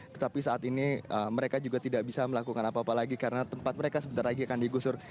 tetapi saat ini mereka juga tidak bisa melakukan apa apa lagi karena tempat mereka sebentar lagi akan digusur